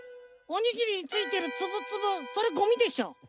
おにぎりについてるつぶつぶそれゴミでしょ？